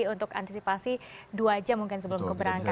untuk antisipasi dua jam mungkin sebelum keberangkatan